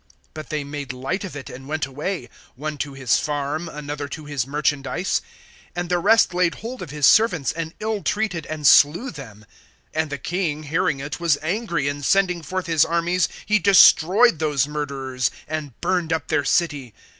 (5)But they made light of it, and went away, one to his farm, another to his merchandise. (6)And the rest laid hold of his servants, and ill treated and slew them. (7)And the king, hearing it, was angry; and sending forth his armies, he destroyed those murderers, and burned up their city.